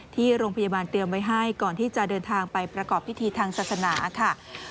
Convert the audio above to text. ที่โรงพยาบาลเตรียมไว้ให้ก่อนที่จะเดินทางไปประกอบพิธีทางศาสนาค่ะ